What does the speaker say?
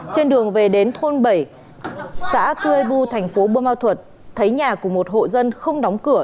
trên đường về đến thôn bảy xã cư ê bu thành phố bô ma thuật thấy nhà của một hộ dân không đóng cửa